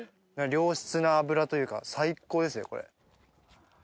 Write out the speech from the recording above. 良質な脂というか最高ですねこれ。